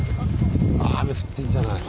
雨降ってんじゃない？